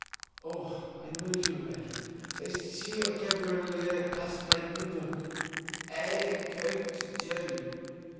Oh! I know you well. I see your cabriolet pass my window. I am going to tell you.